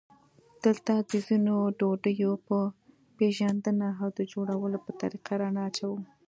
دلته د ځینو ډوډیو په پېژندنه او د جوړولو په طریقه رڼا اچوو.